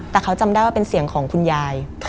แต่เขาจำได้ว่าเป็นเสียงของคุณยาย